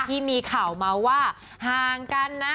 ที่มีข่าวมาว่าห่างกันนะ